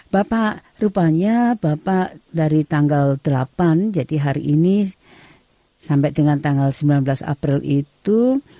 bapak rupanya bapak dari tanggal delapan jadi hari ini sampai dengan tanggal sembilan belas april itu